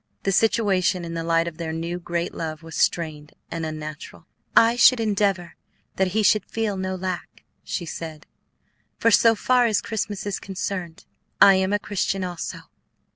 The situation in the light of their new, great love was strained and unnatural. "I should endeavor that he should feel no lack," she said; "for so far as Christmas is concerned, I am a Christian also."